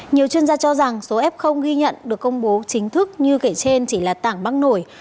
nhiều chuyên gia cho rằng số f ghi nhận được công bố chính thức như kể trên chỉ là tảng băng nổi